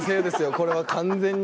これは完全に。